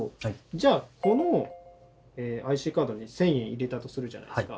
じゃあこのＩＣカードに１，０００円入れたとするじゃないですか。